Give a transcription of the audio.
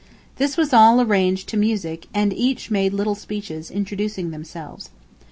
This was all arranged to music and each made little speeches, introducing themselves.